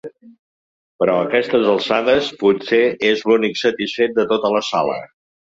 Però a aquestes alçades potser és l'únic satisfet de tota la sala.